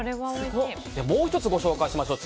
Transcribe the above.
もう１つご紹介しましょう。